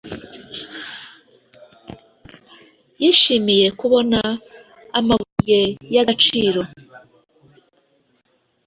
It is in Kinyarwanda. yishimiye kubona amabuye yagaciro